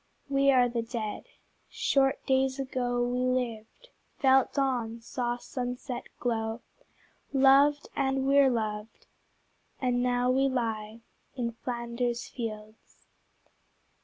We are the Dead. Short days ago We lived, felt dawn, saw sunset glow, Loved, and were loved, and now we lie In Flanders fields.